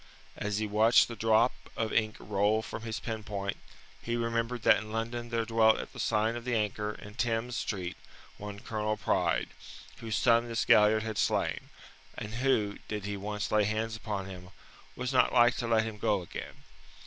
As he watched the drop of ink roll from his pen point, he remembered that in London there dwelt at the sign of the Anchor, in Thames Street, one Colonel Pride, whose son this Galliard had slain, and who, did he once lay hands upon him, was not like to let him go again.